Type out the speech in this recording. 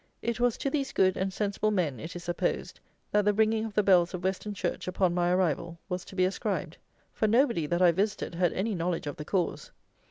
It was to these good and sensible men, it is supposed, that the ringing of the bells of Weston church, upon my arrival, was to be ascribed; for nobody that I visited had any knowledge of the cause.